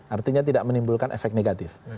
artinya tidak menimbulkan efek negatif